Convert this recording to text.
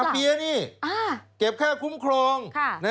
เมียนี่เก็บค่าคุ้มครอง